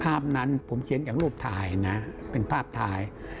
ภาพนั้นผมเขียนจากรูปถ่ายนะเป็นภาพถ่าย